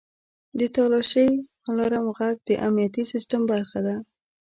• د تالاشۍ الارم ږغ د امنیتي سیستم برخه ده.